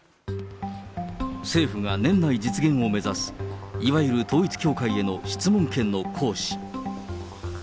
政府が年内実現を目指す、いわゆる統一教会への質問権の行使。